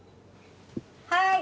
はい。